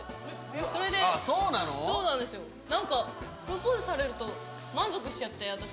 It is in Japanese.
何かプロポーズされると満足しちゃって。